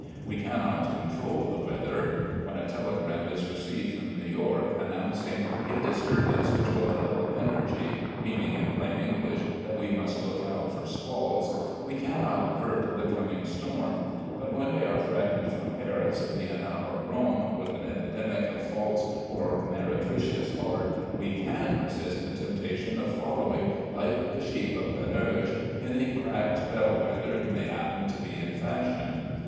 We cannot control the weather. When a telegram is received from New York announcing "a disturbance which will develop energy" (meaning in plain English that we must look out for squalls), we cannot avert the coming storm; but when we are threatened from Paris, Vienna, or Rome, with an epidemic of false or meretricious art, we can resist the temptation of following, like the sheep of Panurge, any cracked bell wether who may happen to be in fashion.